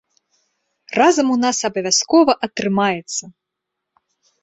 Разам у нас абавязкова атрымаецца!